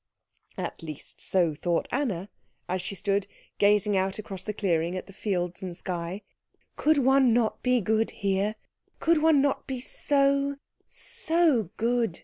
At least so thought Anna, as she stood gazing out across the clearing at the fields and sky. "Could one not be good here? Could one not be so, so good?"